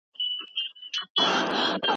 شاګرد ته د خپلواک فکر کولو زمینه برابریږي.